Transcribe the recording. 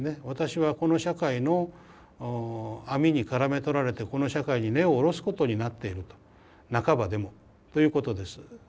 私はこの社会の網にからめとられてこの社会に根を下ろすことになっていると半ばでもということです。